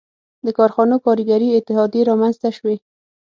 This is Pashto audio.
• د کارخانو کارګري اتحادیې رامنځته شوې.